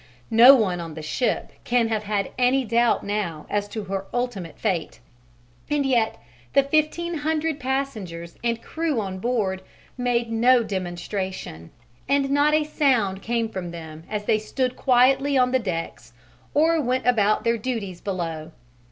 No one on the ship can have had any doubt now as to her ultimate fate, and yet the fifteen hundred passengers and crew on board made no demonstration, and not a sound came from them as they stood quietly on the decks or went about their duties below.